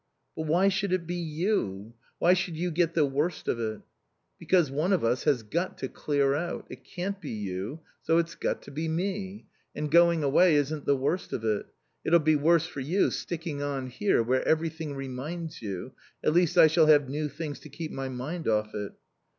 "But why should it be you? Why should you get the worst of it?" "Because one of us has got to clear out. It can't be you, so it's got to be me. And going away isn't the worst of it. It'll be worse for you sticking on here where everything reminds you At least I shall have new things to keep my mind off it."